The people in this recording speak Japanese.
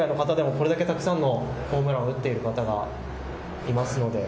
それ以外の方でもこれだけたくさんのホームランを打っている方がいますね。